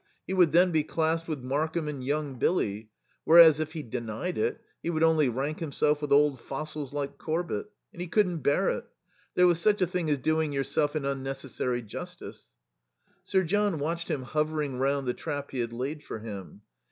He would then be classed with Markham and young Billy, whereas if he denied it, he would only rank himself with old fossils like Corbett. And he couldn't bear it. There was such a thing as doing yourself an unnecessary injustice. Sir John watched him hovering round the trap he had laid for him.